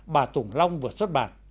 bà tùng long vừa xuất bản